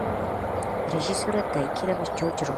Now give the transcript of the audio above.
რეჟისორად დაიქირავეს ჯორჯ რომერო.